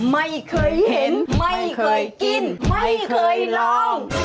ไม่เคยเห็นไม่เคยกินไม่เคยลอง